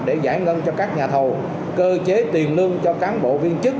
để giải ngân cho các nhà thầu cơ chế tiền lương cho cán bộ viên chức